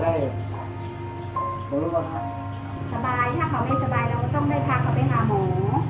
เราก็ต้องได้พาเขาไปหาหมู